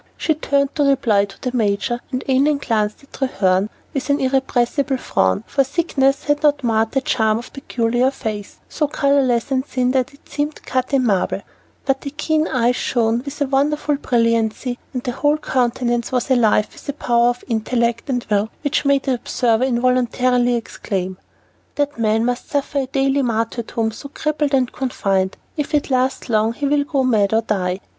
She turned to reply to the major, and Annon glanced at Treherne with an irrepressible frown, for sickness had not marred the charm of that peculiar face, so colorless and thin that it seemed cut in marble; but the keen eyes shone with a wonderful brilliancy, and the whole countenance was alive with a power of intellect and will which made the observer involuntarily exclaim, "That man must suffer a daily martyrdom, so crippled and confined; if it last long he will go mad or die."